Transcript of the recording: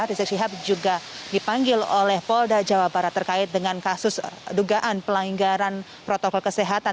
rizik syihab juga dipanggil oleh polda jawa barat terkait dengan kasus dugaan pelanggaran protokol kesehatan